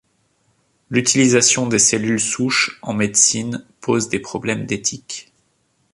L'utilisation des cellules souches en médecine pose des problèmes d’éthique.